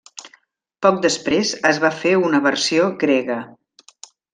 Poc després es va fer una versió grega.